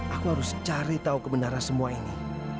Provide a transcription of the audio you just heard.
aku harus cari tahu kebenaran semua ini